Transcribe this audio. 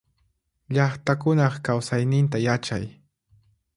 Llaqtakunaq kausayninta yachay.